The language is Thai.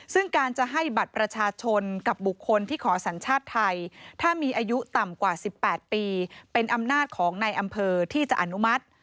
ซึ่งการจะให้บัตรประชาชนกับบุคคลที่ขอสัญชาติไทยถ้ามีอายุต่ำกว่า๑๘ปีเป็นอำนาจของในอำเภอที่จะอนุมัติ